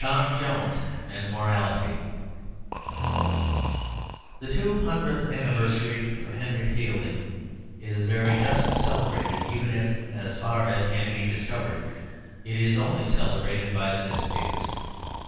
TOM JONES AND MORALITY The two hundredth anniversary of Henry Fielding is very justly celebrated, even if, as far as can be discovered, it is only celebrated by the newspapers.